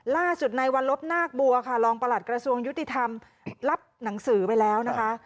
ล่าสุดในวันลบนาคบัวค่ะรองประหลัดกระทรวงยุติธรรมรับหนังสือไปแล้วนะคะ